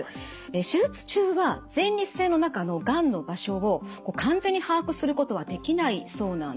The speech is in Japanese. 手術中は前立腺の中のがんの場所を完全に把握することはできないそうなんです。